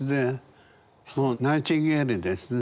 もうナイチンゲールですね。